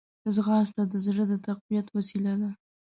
ځغاسته د زړه د تقویت وسیله ده